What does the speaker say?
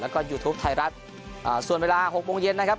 แล้วก็ยูทูปไทยรัฐอ่าส่วนเวลาหกโมงเย็นนะครับ